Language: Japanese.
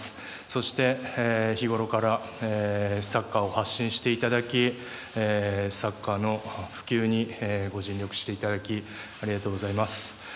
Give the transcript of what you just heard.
そして日頃からサッカーを発信していただきサッカーの普及にご尽力していただきありがとうございます。